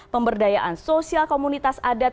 pemberdayaan sosial komunitas adat